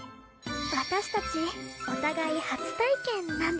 私たちお互い初体験なんですね。